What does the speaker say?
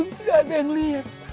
untung gak ada yang liat